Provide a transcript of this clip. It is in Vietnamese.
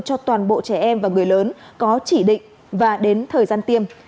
cho toàn bộ trẻ em và người lớn có chỉ định và đến thời gian tiêm